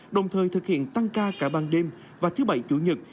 đồng thời thực hiện tăng ca cả ban đêm và thứ bảy chủ nhật